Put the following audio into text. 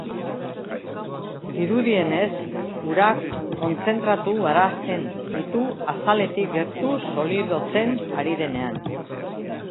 Dirudienez urak kontzentratu arazten ditu azaletik gertu solidotzen ari denean.